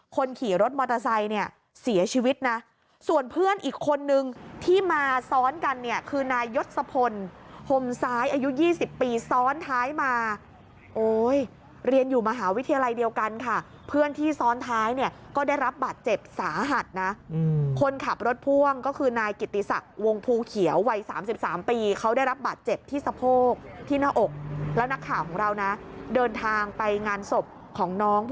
คนขี่รถมอเตอร์ไซด์เนี้ยเสียชีวิตนะส่วนเพื่อนอีกคนนึงที่มาซ้อนกันเนี้ยคือนายยศพลฮมซ้ายอายุยี่สิบปีซ้อนท้ายมาโอ้ยเรียนอยู่มหาวิทยาลัยเดียวกันค่ะเพื่อนที่ซ้อนท้ายเนี้ยก็ได้รับบาดเจ็บสาหัสนะคนขับรถพ่วงก็คือนายกิตตีศักดิ์วงภูเขียววัยสามสิบสามปีเขาได้รับบาดเจ็บที่สะโ